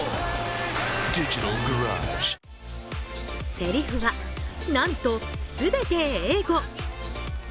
せりふはなんと全て英語。